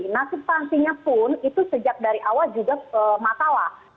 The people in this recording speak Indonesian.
nah substansinya pun itu sejak dari awal juga masalah